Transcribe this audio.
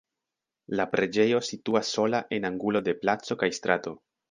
La preĝejo situas sola en angulo de placo kaj strato.